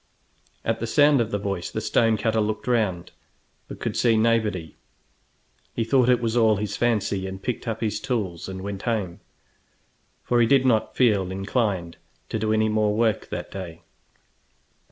At the sound of the voice the stone cutter looked round, but could see nobody. He thought it was all his fancy, and picked up his tools and went home, for he did not feel inclined to do any more work that day.